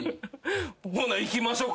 「ほな行きましょか？」